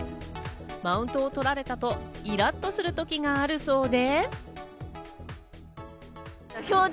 マウントを取られたとイラっとする時があるそうで。